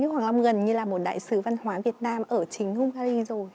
ninh đức hoàng long gần như là một đại sứ văn hóa việt nam ở chính hungary rồi